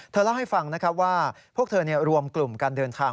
เล่าให้ฟังนะครับว่าพวกเธอรวมกลุ่มการเดินทาง